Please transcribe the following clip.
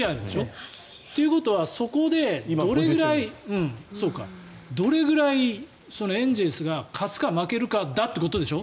ということは、そこでどれぐらいエンゼルスが勝つか負けるかだってことでしょ？